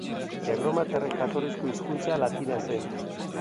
Erromatarren jatorrizko hizkuntza latina zen.